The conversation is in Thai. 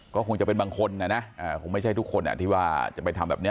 ก็คงจะเป็นบางคนนะนะคงไม่ใช่ทุกคนที่ว่าจะไปทำแบบนี้